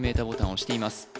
ボタンを押しています